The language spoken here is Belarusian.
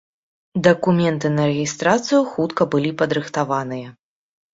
Дакументы на рэгістрацыю хутка былі падрыхтаваныя.